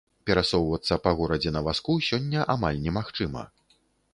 Перасоўвацца па горадзе на вазку сёння амаль немагчыма.